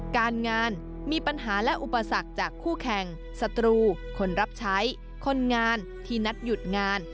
การงานมีปัญหาและอุปสรรคจากคู่แข่งศัตรูคนรับใช้คนงานที่นัดหยุดงาน